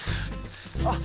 あっ！